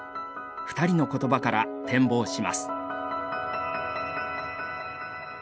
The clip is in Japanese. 二人のことばから展望します。